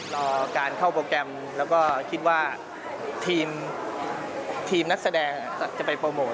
รอการเข้าโปรแกรมแล้วก็คิดว่าทีมนักแสดงจะไปโปรโมท